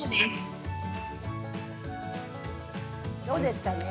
どうですか。